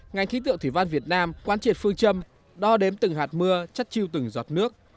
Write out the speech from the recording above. ngành khí tượng thủy văn việt nam quan triệt phương châm đo đếm từng hạt mưa chất chiêu từng giọt nước